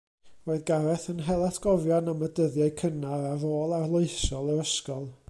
Roedd Gareth yn hel atgofion am y dyddiau cynnar a rôl arloesol yr ysgol.